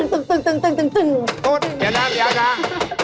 ลูกคุณอย่าน่าระเบียดนะ